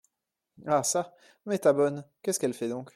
Ah çà, mais, ta bonne, qu'est-ce qu'elle fait donc ?